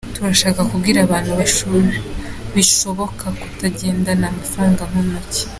Turashakaga kubwira abantu ko bishoboka kutagendana amafaranga mu ntoki.